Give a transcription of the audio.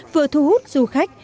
vừa thu hút du khách